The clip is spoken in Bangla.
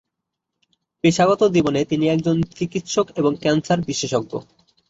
পেশাগত জীবনে তিনি একজন চিকিৎসক এবং ক্যান্সার বিশেষজ্ঞ।